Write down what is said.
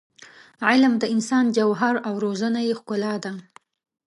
علم د انسان جوهر او روزنه یې ښکلا ده.